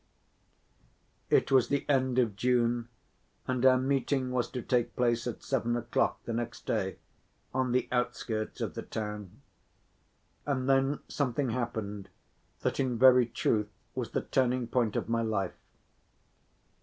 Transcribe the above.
It was the end of June, and our meeting was to take place at seven o'clock the next day on the outskirts of the town—and then something happened that in very truth was the turning‐point of my life.